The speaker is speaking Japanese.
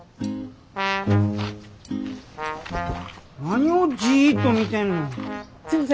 何をじっと見てんの？